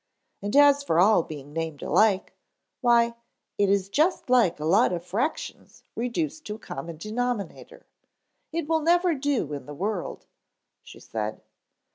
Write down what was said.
And as for all being named alike, why, it is just like a lot of fractions reduced to a common denominator. It will never do in the world," she said.